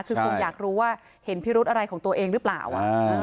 คือคงอยากรู้ว่าเห็นพิรุธอะไรของตัวเองหรือเปล่า